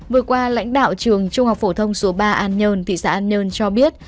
vừa qua lãnh đạo trường trung học phổ thông số ba an nhơn thị xã an nhơn cho biết